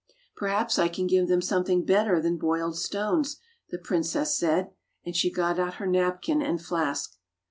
" Perhaps I can give them something better than boiled stones," the princess said, and she got out her napkin and flask.